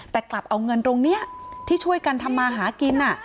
แต่กลับเอาเงินตรงนี้ที่ช่วยกันทำมาหากิน